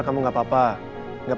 kamu enggak papa enggak